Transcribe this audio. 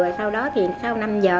rồi sau đó thì sau năm giờ